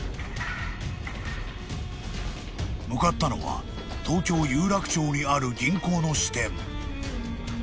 ［向かったのは東京有楽町にある銀行の支店］